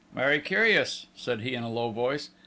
"Very curious!" said he, in a low voice...